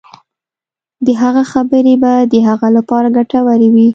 د هغه خبرې به د هغه لپاره ګټورې وي.